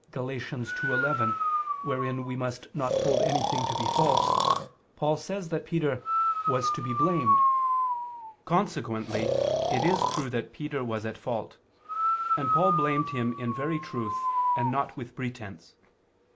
Gal. 2:11), wherein we must not hold anything to be false, Paul says that Peter "was to be blamed." Consequently it is true that Peter was at fault: and Paul blamed him in very truth and not with pretense.